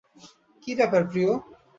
কি ব্যাপার, প্রিয়?